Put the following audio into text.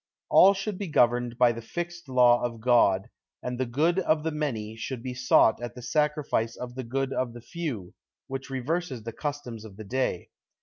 All should be governed by the fixed law of God, and the good of the many should be sought at the sacrifice of the good of the few, which reverses the customs of the day.